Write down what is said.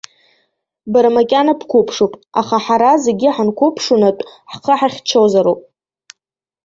Бара макьана бқәыԥшуп, аха ҳара зегьы ҳанқәыԥшунатә ҳхы ҳахьчозароуп.